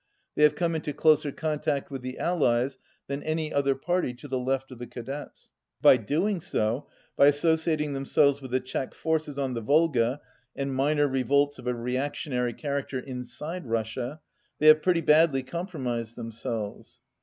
They have come into closer contact with the Allies than any other party to the left of the Cadets. By doing so, by associating themselves with the Czech forces on the Volga and minor revolts of a reactionary character inside Russia, they have pretty badly compromised them selves.